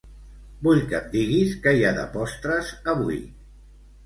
Vull que em diguis què hi ha de postres avui.